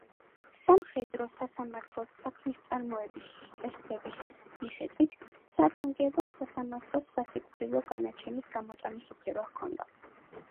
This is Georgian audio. სამხედრო სასამართლოს საქმისწარმოების წესდების მიხედვით, საგანგებო სასამართლოს სასიკვდილო განაჩენის გამოტანის უფლება ჰქონდა.